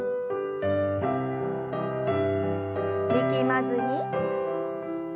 力まずに。